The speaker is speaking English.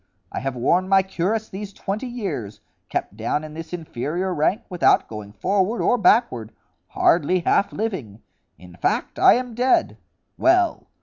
I have worn my cuirass these twenty years, kept down in this inferior rank, without going forward or backward, hardly half living. In fact, I am dead. Well!